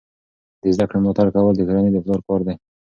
د زده کړې ملاتړ کول د کورنۍ د پلار کار دی.